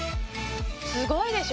すごいでしょ？